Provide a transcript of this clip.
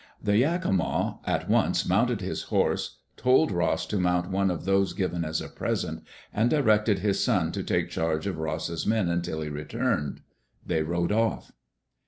The Yakima at once mounted his horse, told Ross to mount one of those given as a present, and directed his son to take charge of Ross's men until he returned. They rode off.